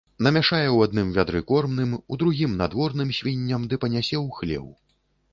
Намяшае ў адным вядры кормным, у другім надворным свінням ды панясе ў хлеў.